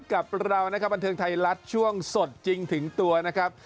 กับเรานะครับบันเทิงไทยรัฐช่วงสดจริงถึงตัวนะครับ